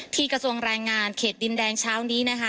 กระทรวงแรงงานเขตดินแดงเช้านี้นะคะ